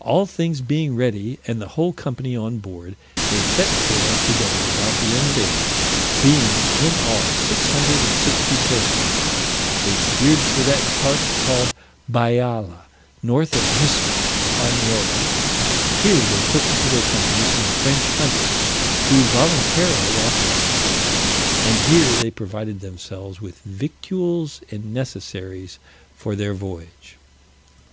All things being ready, and the whole company on board, they set sail together about the end of April, being, in all, six hundred and sixty persons. They steered for that part called Bayala, north of Hispaniola: here they took into their company some French hunters, who voluntarily offered themselves, and here they provided themselves with victuals and necessaries for their voyage.